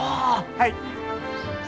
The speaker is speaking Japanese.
はい。